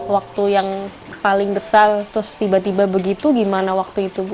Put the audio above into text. waktu yang paling besar terus tiba tiba begitu gimana waktu itu bu